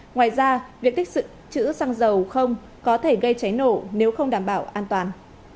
ngoài ra việc tích chữ xăng dầu không có thể gây cháy nổ nếu không đảm bảo an toàn